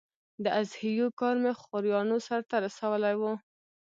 د اضحیو کار مې خوریانو سرته رسولی و.